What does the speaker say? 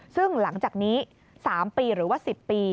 ซึ่งหลังจากนี้๓ปีหรือว่า๑๐ปี